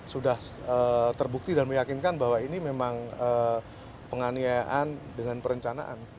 sudah terbukti dan meyakinkan bahwa ini memang penganiayaan dengan perencanaan